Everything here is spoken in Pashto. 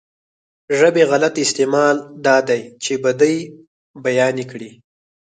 ژبې غلط استعمال دا دی چې بدۍ بيانې کړي.